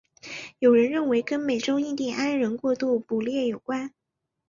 有人认为跟美洲印第安人过度捕猎有关。